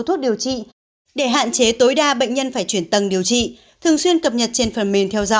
thuốc điều trị để hạn chế tối đa bệnh nhân phải chuyển tầng điều trị thường xuyên cập nhật trên phần